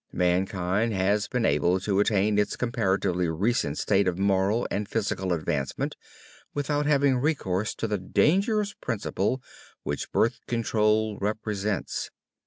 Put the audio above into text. Mankind has been able to attain its comparatively recent state of moral and physical advancement without having recourse to the dangerous principle which "birth control" represents.